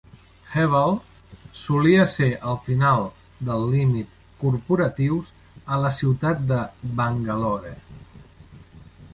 Hebbal solia ser el final del límit corporatius a la ciutat de Bangalore.